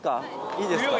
いいですか。